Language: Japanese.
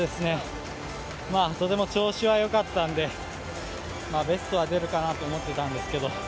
とても調子は良かったのでベストは出るかなと思っていたんですけど。